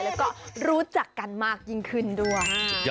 แล้วก็รู้จักกันมากยิ่งขึ้นด้วย